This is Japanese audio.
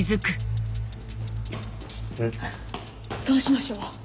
どうしましょう。